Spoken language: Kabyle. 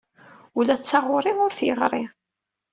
Ula d taɣuri ur t-yeɣri.